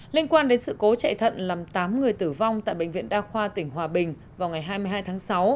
liên quan đến sự cố chạy thận làm tám người tử vong tại bệnh viện đa khoa tỉnh hòa bình vào ngày hai mươi hai tháng sáu